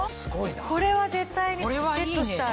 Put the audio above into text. これは絶対にゲットしたい。